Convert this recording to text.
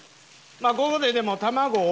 ここででも卵を。